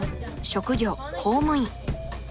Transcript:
職業公務員。